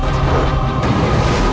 kedai yang menangis